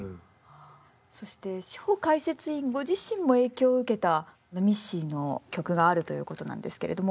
そしてシホかいせついんご自身も影響を受けたミッシーの曲があるということなんですけれども。